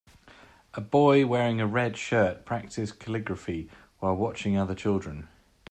A boy wearing a red shirt practicing calligraphy while being watched by other children.